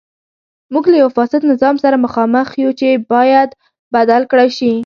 موږ له یوه فاسد نظام سره مخامخ یو چې باید بدل کړای شي.